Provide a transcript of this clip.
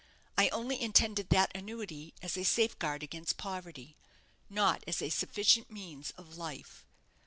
I only intended that annuity as a safeguard against poverty, not as a sufficient means of life.